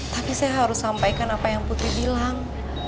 tapi saya harus sampaikan apa yang putri bilang